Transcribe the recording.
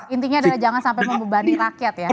intinya adalah jangan sampai membebani rakyat ya